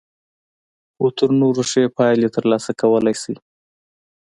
خو تر نورو ښې پايلې ترلاسه کولای شئ.